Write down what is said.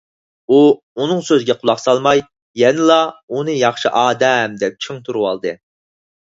ئۇ ئۇنىڭ سۆزىگە قۇلاق سالماي، يەنىلا ئۇنى ياخشى ئادەم دەپ چىڭ تۇرۇۋالدى.